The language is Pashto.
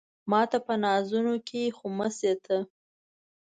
ماته په نازونو کې خو مه شې ته